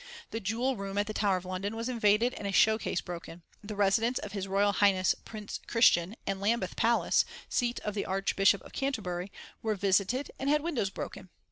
The jewel room at the Tower of London was invaded and a showcase broken. The residence of H. R. H. Prince Christian and Lambeth Palace, seat of the Archbishop of Canterbury, were visited and had windows broken.